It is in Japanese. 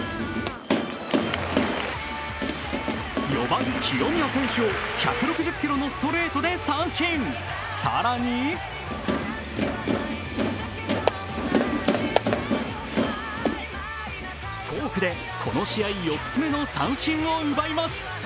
４番・清宮選手を１６０キロのストレートで三振、更にフォークでこの試合、４つ目の三振を奪います。